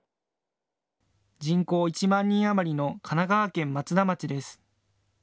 人口１万人余りの神奈川県松田町です。